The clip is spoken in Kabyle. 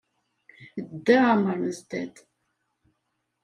Dda Amer Mezdad